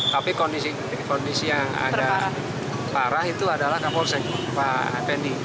tapi kondisi yang agak parah itu adalah kapolsek pak effendi